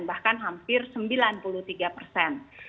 bahkan hampir sembilan puluh tiga persen